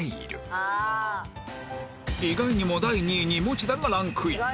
意外にも第２位に田がランクイン